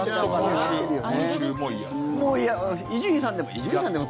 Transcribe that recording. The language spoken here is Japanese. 伊集院さんでも？